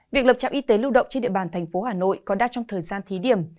việc lập trạm y tế lưu động trên địa bàn thành phố hà nội còn đang trong thời gian thí điểm